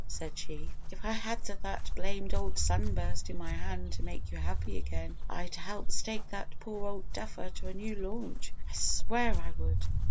said she. "If I had that blamed old sunburst in my hand to make you happy again, I'd help stake that poor old duffer to a new launch! I swear I would!"